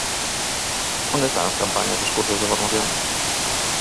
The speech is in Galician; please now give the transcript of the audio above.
¿Onde están as campañas e os cursos de formación?